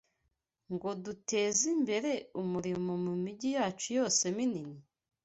ngo duteze imbere umurimo mu mijyi yacu yose minini?